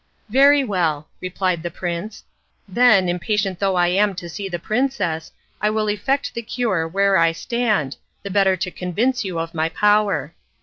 "Very well," replied the prince: "then, impatient though I am to see the princess, I will effect the cure where I stand, the better to convince you of my power."